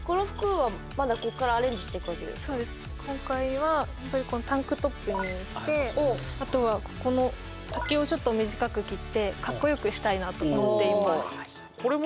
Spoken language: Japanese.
今回はやっぱりタンクトップにしてあとはここの丈をちょっと短く切ってカッコよくしたいなと思っています。